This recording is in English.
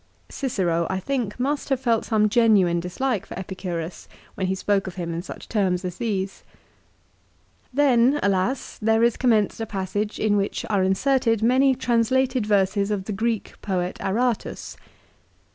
l Cicero, I think, must have felt some genuine dislike for Epicurus when he spoke of him in such terms as these. Then, alas ! there is commenced a passage in which are inserted many translated verses of the Greek poet Aratus.